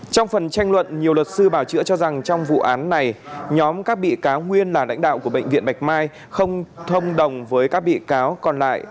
trong phần tranh luận nhiều luật sư bảo chữa cho rằng trong vụ án này nhóm các bị cáo nguyên là lãnh đạo của bệnh viện bạch mai không thông đồng với các bị cáo còn lại